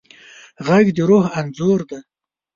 غږ د روح انځور دی